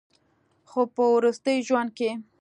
خو پۀ وروستي ژوند کښې